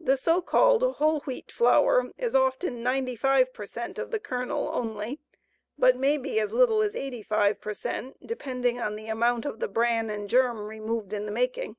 The so called "whole wheat" flour is often 95 per cent of the kernel only, but may be as little as 85 per cent, depending on the amount of the bran and germ removed in the making.